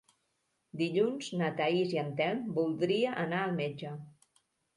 Dilluns na Thaís i en Telm voldria anar al metge.